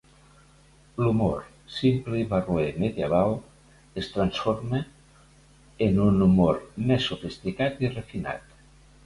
L'humor simple i barroer medieval es transforma en un humor més sofisticat i refinat.